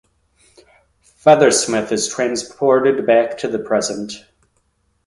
Feathersmith is transported back to the present.